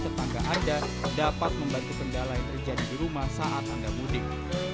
tetangga anda dapat membantu kendala yang terjadi di rumah saat anda mudik